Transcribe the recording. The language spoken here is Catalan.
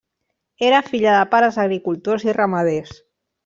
Era filla de pares agricultors i ramaders.